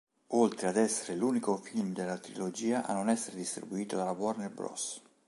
Oltre ad essere l'unico film della trilogia a non essere distribuito dalla Warner Bros.